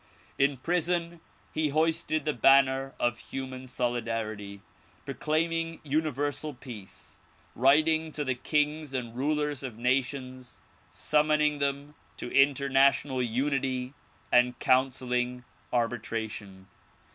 In prison he hoisted the banner of human solidarity, proclaiming Universal Peace, writing to the kings and rulers of nations summoning them to international unity and counselling arbitration.